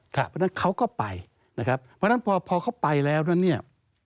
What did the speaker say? เพราะฉะนั้นเขาก็ไปนะครับเพราะฉะนั้นพอเขาไปแล้วนั้นเนี่ย